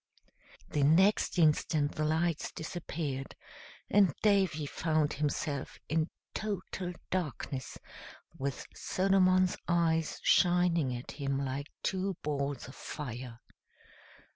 The next instant the lights disappeared, and Davy found himself in total darkness, with Solomon's eyes shining at him like two balls of fire.